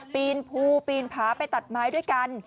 ปีนภูปีนผาไปตัดไม้ด้วยกัน